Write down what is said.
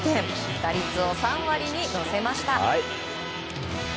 打率を３割に乗せました。